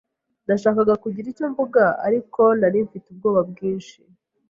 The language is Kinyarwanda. Nashakaga kugira icyo mvuga, ariko nari mfite ubwoba bwinshi.